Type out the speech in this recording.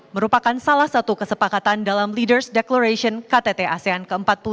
merupakan salah satu kesepakatan dalam leaders declaration ktt asean ke empat puluh dua